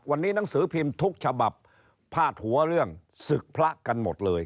วันนี้หนังสือพิมพ์ทุกฉบับพาดหัวเรื่องศึกพระกันหมดเลย